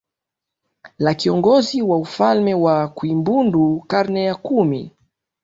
la kiongozi wa ufalme wa Kwimbundo karne ya kumi